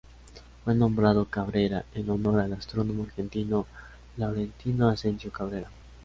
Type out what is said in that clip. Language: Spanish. Fue nombrado Cabrera en honor al astrónomo argentino Laurentino Ascencio Cabrera.